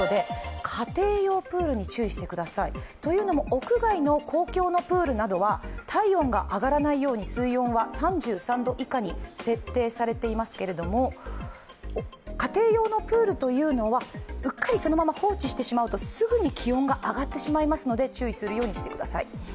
屋外の公共のプールなどは体温が上がらないように水温は３３度以下に設定されていますけど家庭用のプールというのはうっかりそのまま放置してしまうとすぐに気温が上がってしまいますので、注意するようにしてください